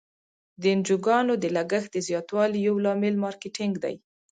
د انجوګانو د لګښت د زیاتوالي یو لامل مارکیټینګ دی.